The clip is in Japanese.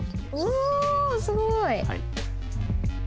おおすごい！